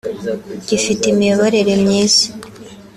gifite imiyoborere mwiza